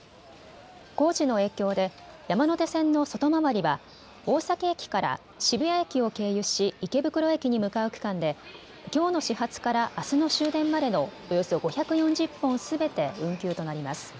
工事の影響で山手線の外回りは大崎駅から渋谷駅を経由し池袋駅に向かう区間できょうの始発からあすの終電までのおよそ５４０本すべて運休となります。